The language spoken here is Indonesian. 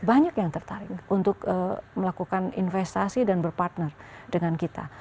banyak yang tertarik untuk melakukan investasi dan berpartner dengan kita